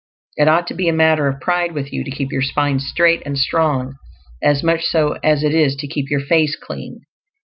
It ought to be a matter of pride with you to keep your spine straight and strong; as much so as it is to keep your face clean.